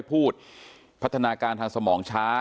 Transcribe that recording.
เป็นมีดปลายแหลมยาวประมาณ๑ฟุตนะฮะที่ใช้ก่อเหตุ